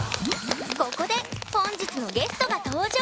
ここで本日のゲストが登場！